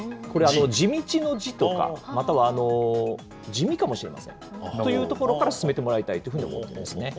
これ、地道の地とか、または地味かもしれませんというところから進めてもらいたいと思っています。